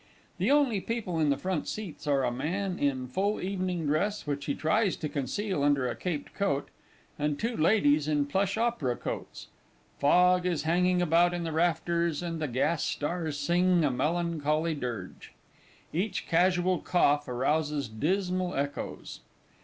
The only people in the front seats are a man in full evening dress, which he tries to conceal under a caped coat, and two Ladies in plush opera cloaks. Fog is hanging about in the rafters, and the gas stars sing a melancholy dirge. Each casual cough arouses dismal echoes.